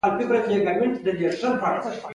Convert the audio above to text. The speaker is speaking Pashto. خپل فکر له بدلون سره اوسمهالیزه کولای شو.